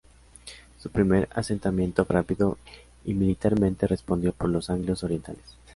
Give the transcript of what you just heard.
Su primer asentamiento fue rápido y militarmente respondido por los anglos orientales.